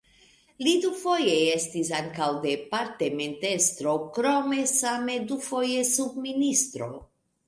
Li dufoje estis ankaŭ departementestro, krome same dufoje subministro.